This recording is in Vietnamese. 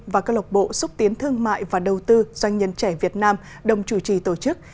và cơ lộc bộ xúc tiến thương mại và đầu tư doanh nhân trẻ việt nam đồng chủ trì tổ chức